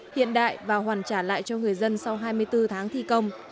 hiện đại và hoàn trả lại cho người dân sau hai mươi bốn tháng thi công